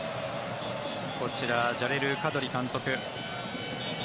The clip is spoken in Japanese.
こちらジャレル・カドリ監督。